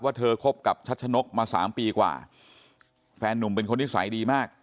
ว่าเธอคบกับชัชนกมา๓ปีกว่าแฟนนุ่มเป็นคนที่สายดีมาก